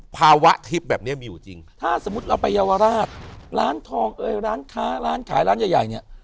ภาวะทิพย์แบบนี้มีอยู่จริงถ้าสมมุติเราไปเยาวราชร้านทองเอ้ยร้านค้าร้านขายร้านใหญ่ใหญ่เนี่ย